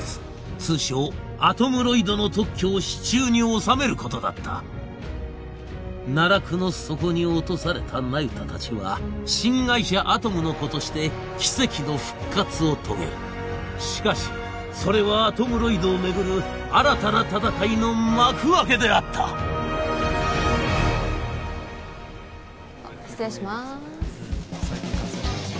通称アトムロイドの特許を手中に収めることだった奈落の底に落とされた那由他達は新会社アトムの童として奇跡の復活を遂げるしかしそれはアトムロイドをめぐる新たな戦いの幕開けであった失礼します